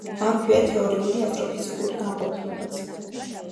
აქვეა თეორიული ასტროფიზიკური განყოფილებაც.